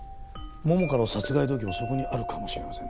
桃花の殺害動機もそこにあるかもしれません。